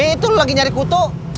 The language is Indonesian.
itu lagi nyari kutu